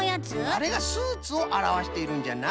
あれがスーツをあらわしているんじゃな。